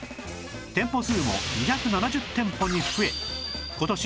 店舗数も２７０店舗に増え今年